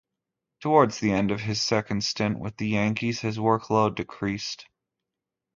Towards the end of his second stint with the Yankees, his workload decreased.